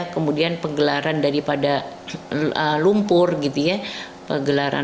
kemudian penggelaran daripada lumpur